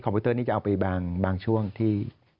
พิวเตอร์นี้จะเอาไปบางช่วงที่